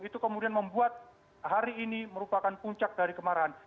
itu kemudian membuat hari ini merupakan puncak dari kemarahan